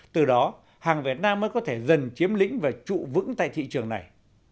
từ đó hàng việt nam mới có thể dần chiếm lĩnh và trụ vững tại thị trường này